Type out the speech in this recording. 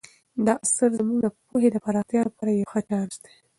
دا اثر زموږ د پوهې د پراختیا لپاره یو ښه چانس دی.